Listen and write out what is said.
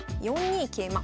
４二桂馬。